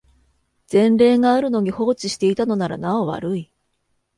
前例があるのに放置していたのならなお悪い